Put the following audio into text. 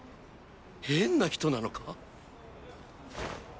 変な人なのか！？